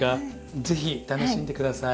是非楽しんで下さい。